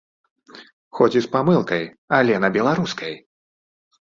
Хоць і з памылкай, але на беларускай!